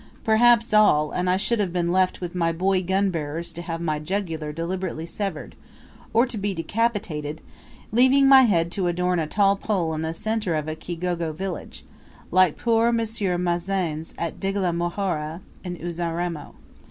Perhaps all, and I should have been left with my boy gunbearers to have my jugular deliberately severed, or to be decapitated, leaving my head to adorn a tall pole in the centre of a Kigogo village, like poor Monsieur Maizan's at Dege la Mhora, in Uzaramo.